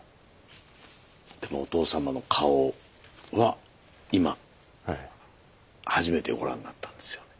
でもお父様の顔は今初めてご覧になったんですよね？